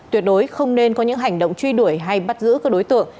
tuyệt đối không nên có những hành động truy đuổi hay bắt giữ các đối tượng